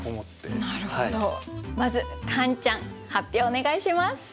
まずカンちゃん発表お願いします。